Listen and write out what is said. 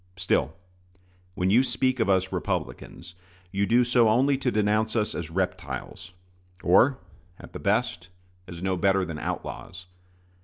Still, when you speak of us Republicans, you do so only to denounce us as reptiles, or, at the best, as no better than outlaws.